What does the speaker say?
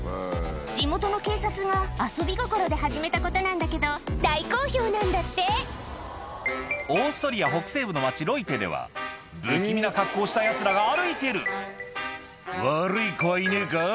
地元の警察が遊び心で始めたことなんだけど大好評なんだってオーストリア北西部の町ロイテでは不気味な格好をしたヤツらが歩いてる「悪い子はいねえか？」